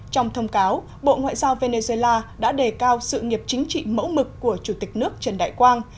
trong thông cáo bộ ngoại giao venezuela đã đề cao sự nghiệp chính trị mẫu mực của chủ tịch nước trần đại quang